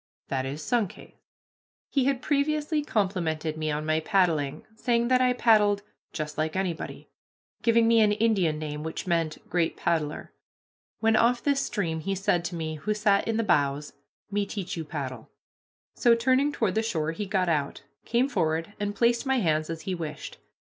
That is Sunkhaze." He had previously complimented me on my paddling, saying that I paddled "just like anybody," giving me an Indian name which meant "great paddler." When off this stream he said to me, who sat in the bows, "Me teach you paddle." So, turning toward the shore, he got out, came forward, and placed my hands as he wished.